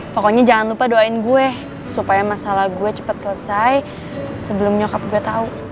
pokoknya jangan lupa doain gue supaya masalah gue cepat selesai sebelum nyokap gue tau